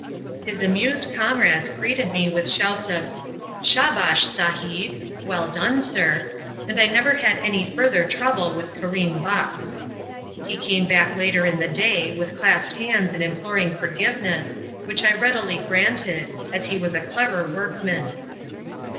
His amused comrades greeted me with shouts of "Shabash, Sahib!" ("Well done, sir"), and I never had any further trouble with Karim Bux. He came back later in the day, with clasped hands imploring forgiveness, which I readily granted, as he was a clever workman.